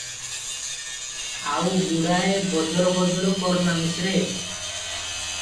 ଆଉ ଗୁଡ଼ାଏ ବଜର ବଜର କରନା ମିଶ୍ରେ ।